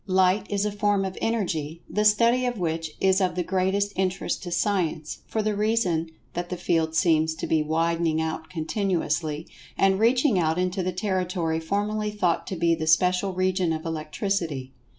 Light is a form of Energy, the study of which is of the greatest interest to Science, for the reason that the field seems to be widening out continuously, and reaching out into the territory formerly thought to be the special region of Electricity.